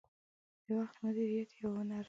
• د وخت مدیریت یو هنر دی.